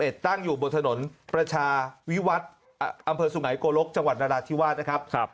ตั้งอยู่บนถนนประชาวิวัฒน์อำเภอสุไงโกลกจังหวัดนราธิวาสนะครับ